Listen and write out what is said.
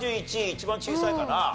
一番小さいかな。